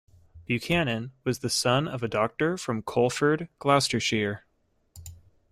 Buchanan was the son of a doctor from Coleford, Gloucestershire.